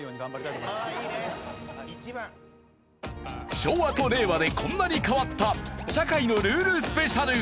昭和と令和でこんなに変わった社会のルールスペシャル。